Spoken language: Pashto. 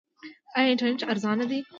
آیا انټرنیټ ارزانه دی؟